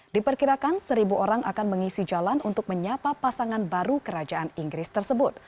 diperkirakan seribu orang akan mengisi jalan untuk menyapa pasangan baru kerajaan inggris tersebut